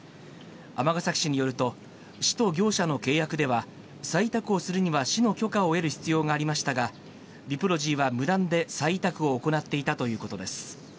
尼崎市によると、市と業者の契約では、再委託をするには市の許可を得る必要がありましたが、ビプロジーは無断で再委託を行っていたということです。